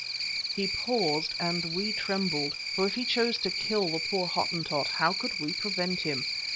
He paused and we trembled, for if he chose to kill the poor Hottentot, how could we prevent him?